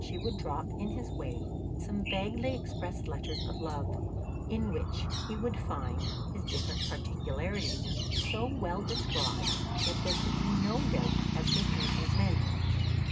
She would drop in his way some vaguely expressed letters of love, in which he should find his different peculiarities so well described that there could be no doubt as to whom was meant.